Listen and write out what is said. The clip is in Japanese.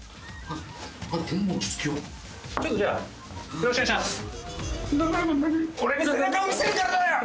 よろしくお願いします。